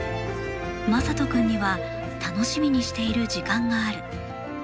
まさと君には楽しみにしている時間がある。